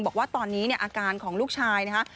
บอกว่าตอนนี้เนี่ยอาการของลูกชายนะคะ